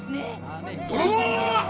泥棒！